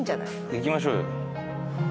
いきましょうよ。